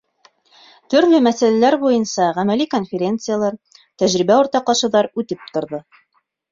Төрлө мәсьәләләр буйынса ғәмәли конференциялар, тәжрибә уртаҡлашыуҙар үтеп торҙо.